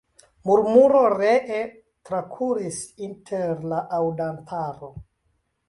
Murmuro ree trakuris inter la aŭdantaro.